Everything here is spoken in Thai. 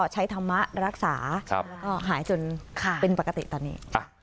ใช้ธรรมะรักษาหายจนเป็นปกติตอนนี้